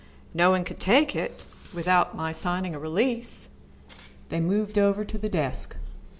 "No one could take it on without my signing a release." They moved over to the desk.